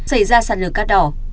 xảy ra sạt lờ cát đỏ